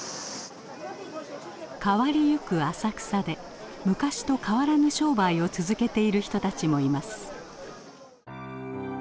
変わりゆく浅草で昔と変わらぬ商売を続けている人たちもいます。